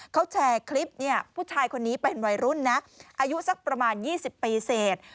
เขาแชร์คลิปเนี่ยผู้ชายคนนี้เป็นวัยรุ่นนะอายุสักประมาณ๒๐ปีเสร็จ